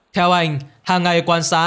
theo anh hàng ngày quan sát